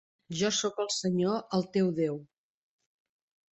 Jo sóc el Senyor el teu Déu.